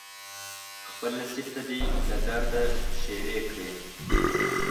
خپل نصیب ته دې له درده ښیرې کړي